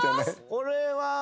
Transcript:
これは。